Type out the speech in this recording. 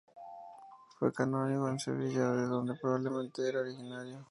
Fue canónigo en Sevilla, de donde probablemente era originario.